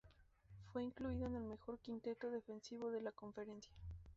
Fue incluido en el mejor quinteto defensivo de la conferencia.